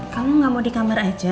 kamu gak mau di kamar aja